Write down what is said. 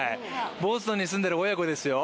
ボストンに住んでいる親子ですよ。